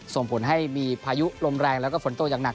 ส่งผลให้มีพายุลมแรงแล้วก็ฝนตกอย่างหนัก